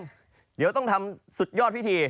เดี๋ยวต้องทำสุดยอดพิธี